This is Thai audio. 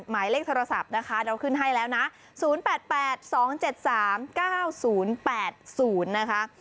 หมายเลขโทรศัพท์นะคะเราขึ้นให้แล้วนะ๐๘๘๒๗๓๙๐๘๐นะคะ